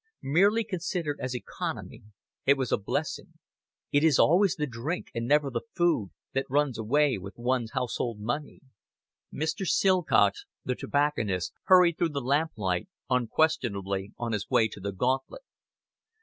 Merely considered as economy, it was a blessing. It is always the drink, and never the food, that runs away with one's household money. Mr. Silcox the tobacconist hurried through the lamplight, unquestionably on his way to the Gauntlet.